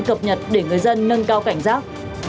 cập nhật để người dân nâng cao cảnh giác